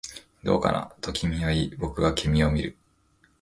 どうかな、と君は言い、僕は君を見る